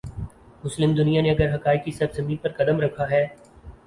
مسلم دنیا نے اگر حقائق کی سرزمین پر قدم رکھا ہے۔